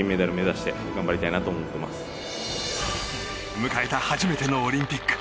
迎えた初めてのオリンピック。